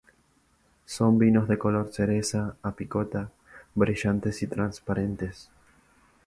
Son vinos de color cereza a picota, brillantes y transparentes.